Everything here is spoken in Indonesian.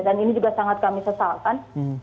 dan ini juga sangat kami sesalkan